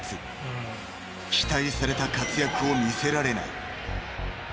［期待された活躍を見せられない］